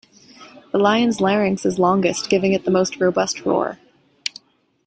The lion's larynx is longest, giving it the most robust roar.